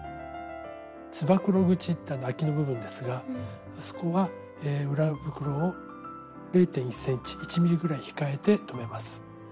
つばくろ口あきの部分ですがそこは裏袋を０．１ｃｍ１ｍｍぐらい控えて留めます。